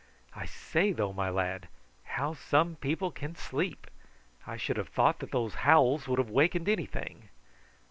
I say though, my lad, how some people can sleep! I should have thought that those howls would have wakened anything.